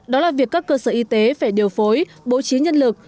đó là việc các cơ sở y tế phải điều phối bố trí nhân lực